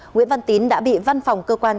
nguyễn văn tín đã bị văn phòng cơ quan